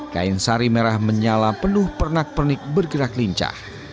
kain sari merah menyala penuh pernak pernik bergerak lincah